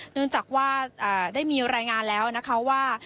เนื่องจากว่าได้มีรายงานแล้วนะคะว่า